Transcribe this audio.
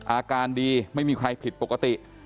อาการดีไม่มีใครผิดปกติ